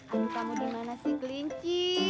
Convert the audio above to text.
aduh kamu dimana sih kelinci